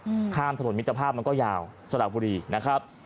อืมข้ามถนนมิตรภาพมันก็ยาวสระบุรีนะครับ